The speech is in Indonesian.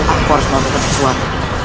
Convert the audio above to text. aku harus melakukan sesuatu